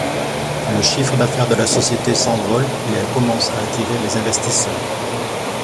Le chiffre d’affaires de la société s’envole et elle commence à attirer les investisseurs.